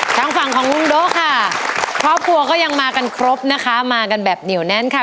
ทางฝั่งของลุงโด๊ะค่ะครอบครัวก็ยังมากันครบนะคะมากันแบบเหนียวแน่นค่ะ